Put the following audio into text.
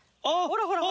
ほらほら！